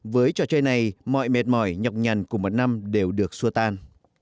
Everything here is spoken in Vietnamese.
với trò chơi này mọi mệt mỏi nhọc nhằn của một năm đều được xua tan